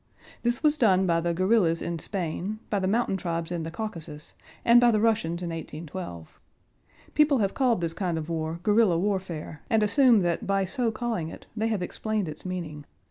This was done by the guerrillas in Spain, by the mountain tribes in the Caucasus, and by the Russians in 1812. People have called this kind of war "guerrilla warfare" and assume that by so calling it they have explained its meaning.